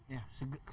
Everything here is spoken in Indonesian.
ya segera menerima